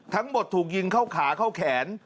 ทั้งหมดถูกยิงเข้าขาเข้าแขน